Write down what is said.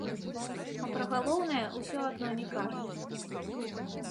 А пра галоўнае ўсё адно не кажуць.